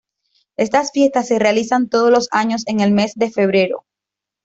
Estas fiestas se realizan todos los años en el mes de febrero.